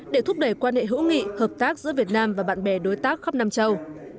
để thúc đẩy quan hệ hữu nghị hợp tác giữa việt nam và bạn bè đối tác khắp nam châu